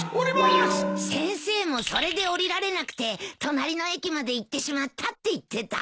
先生もそれで降りられなくて隣の駅まで行ってしまったって言ってた。